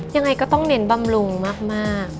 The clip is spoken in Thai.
ยังไงก็ต้องเน้นบำรุงมาก